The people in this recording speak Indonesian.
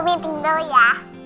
aku mimpin baru ya